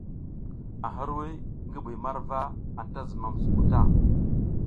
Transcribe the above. A hirwuy ngi bi marwa, anta zumam zungu ta.